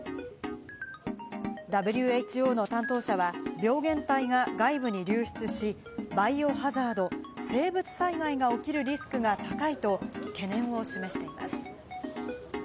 ＷＨＯの担当者は病原体が外部に流出し、バイオハザード＝生物災害が起きるリスクが高いと懸念を示しています。